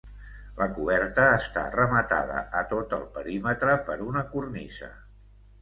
La coberta està rematada a tot el perímetre per una cornisa.